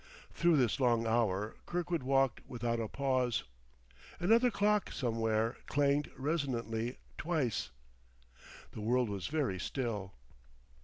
Through this long hour Kirkwood walked without a pause. Another clock, somewhere, clanged resonantly twice. The world was very still....